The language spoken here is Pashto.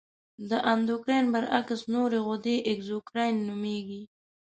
د اندورکراین برعکس نورې غدې اګزوکراین نومیږي.